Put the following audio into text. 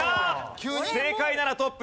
正解ならトップ！